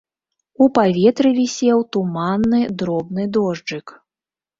У паветры вісеў туманны, дробны дожджык.